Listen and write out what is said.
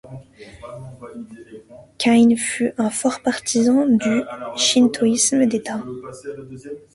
Kan'in fut un fort partisan du shintoïsme d'État.